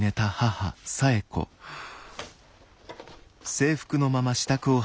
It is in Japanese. はあ。